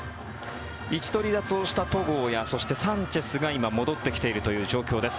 一度離脱をした戸郷やサンチェスが今、戻ってきているという状況です。